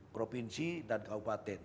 provinsi dan kabupaten